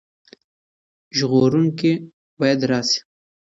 ژغورونکی باید راشي.